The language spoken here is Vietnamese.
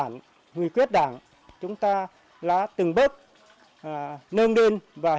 và những người quyết đảng chúng ta từng bước nâng đêm và hiểu